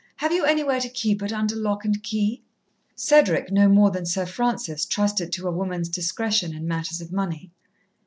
Have you anywhere to keep it under lock and key?" Cedric, no more than Sir Francis, trusted to a woman's discretion in matters of money.